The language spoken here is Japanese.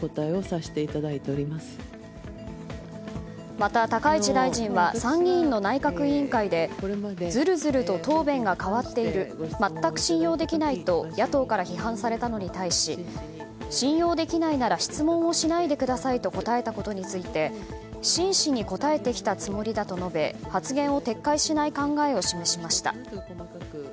また、高市大臣は参議院の内閣委員会でずるずると答弁が変わっている全く信用できないと野党から批判されたのに対し信用できないなら質問をしないでくださいと答えたことについて真摯に答えてきたつもりだと述べ発言を撤回しない考えを示しました。